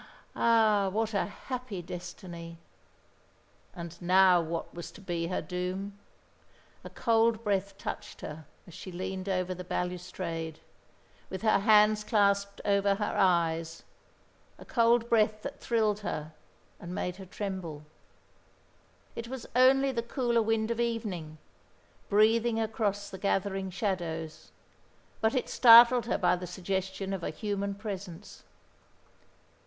Ah, what a happy destiny! And now what was to be her doom? A cold breath touched her as she leaned over the balustrade, with her hands clasped over her eyes, a cold breath that thrilled her and made her tremble. It was only the cooler wind of evening, breathing across the gathering shadows, but it startled her by the suggestion of a human presence.